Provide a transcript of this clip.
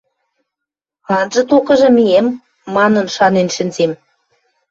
Анжы, токыжы миэм...» – манын шанен шӹнзем.